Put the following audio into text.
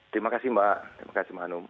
terima kasih mbak terima kasih mbak anum